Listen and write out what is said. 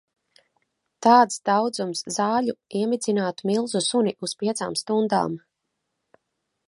Tāds daudzums zaļu iemidzinātu milzu suni uz piecām stundām.